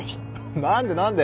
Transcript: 何で何で？